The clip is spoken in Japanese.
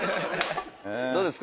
どうですか？